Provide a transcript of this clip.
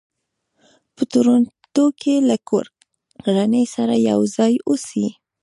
په ټورنټو کې له کورنۍ سره یو ځای اوسي.